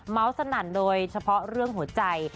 สนั่นโดยเฉพาะเรื่องหัวใจ